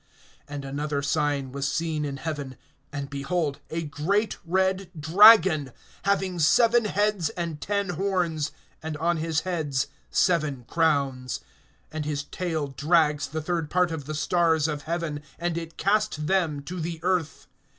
(3)And another sign was seen in heaven; and behold a great red dragon, having seven heads and ten horns, and on his heads seven crowns. (4)And his tail drags the third part of the stars of heaven; and it cast them to the earth.